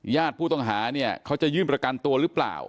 ญาติผู้ต้องหาเนี่ยเขาจะยื่นประกันตัวหรือเปล่า